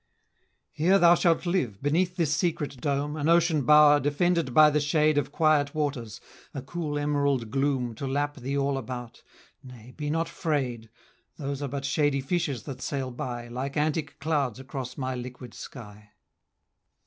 "Here thou shalt live, beneath this secret dome, An ocean bow'r, defended by the shade Of quiet waters, a cool emerald gloom To lap thee all about. Nay, be not fray'd, Those are but shady fishes that sail by Like antic clouds across my liquid sky!"